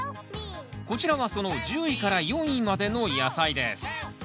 こちらはその１０位から４位までの野菜です。